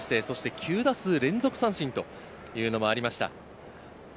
９打数連続三振というのもありました。